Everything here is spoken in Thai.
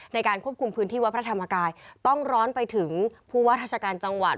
ในการควบคุมพื้นที่วัดพระธรรมกายต้องร้อนไปถึงผู้ว่าราชการจังหวัด